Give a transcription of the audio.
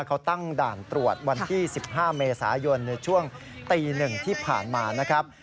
เขาตั้งด่านตรวจวันที่๑๕เมษายนในช่วงตี๑ที่ผ่านมานะครับ